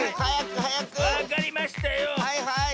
はいはい！